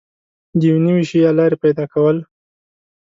د یو نوي شي یا لارې پیدا کول